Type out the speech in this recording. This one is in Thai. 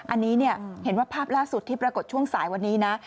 อันนี้เห็นว่าภาพล่าสุดที่ปรากฏช่วงสายวันนี้นะ